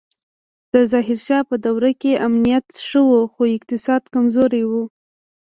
د ظاهر شاه په دوره کې امنیت ښه و خو اقتصاد کمزوری و